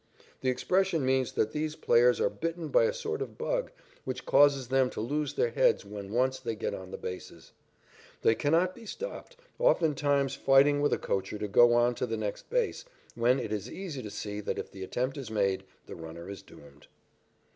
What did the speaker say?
The expression means that these players are bitten by a sort of "bug" which causes them to lose their heads when once they get on the bases. They cannot be stopped, oftentimes fighting with a coacher to go on to the next base, when it is easy to see that if the attempt is made, the runner is doomed.